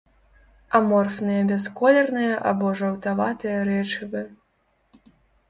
Аморфныя бясколерныя або жаўтаватыя рэчывы.